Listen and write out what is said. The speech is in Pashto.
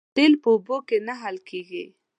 تیل په اوبو کې نه حل کېږي